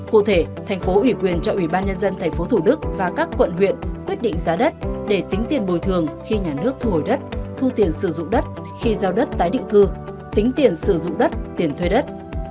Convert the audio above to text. cụ thể tp hcm cho ủy ban nhân dân tp hcm và các quận huyện quyết định giá đất để tính tiền bồi thường khi nhà nước thu hồi đất thu tiền sử dụng đất khi giao đất tái định cư tính tiền sử dụng đất tiền thuê đất